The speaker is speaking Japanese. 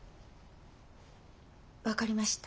分かりました。